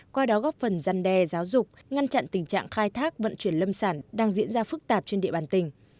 qua đó góp phần gian đe giáo dục ngăn chặn tình trạng khai thác vận chuyển lâm sản đang diễn ra phức tạp trên địa bàn tỉnh